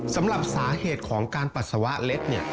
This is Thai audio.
สำหรับสาเหตุของการปัสสาวะเล็ดเนี่ย